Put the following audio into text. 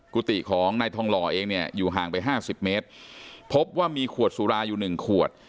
กุฏิของนายทองหล่อเองเนี่ยอยู่ห่างไปห้าสิบเมตรพบว่ามีขวดสุราอยู่หนึ่งขวด